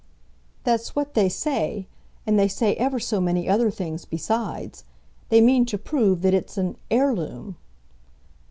"That's what they say. And they say ever so many other things besides. They mean to prove that it's an heirloom."